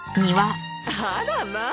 あらまあ。